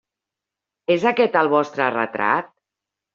És aquest el vostre retrat?